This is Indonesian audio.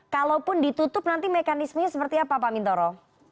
kalau pun ditutup nanti mekanismenya seperti apa pak mintoro